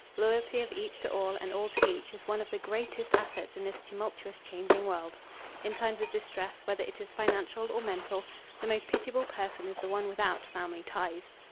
Loyalty of each to all and all to each is one of the greatest assets in this tumultuous, changing world. In times of distress, whether it is financial or mental, the most pitiable person is the one without family ties.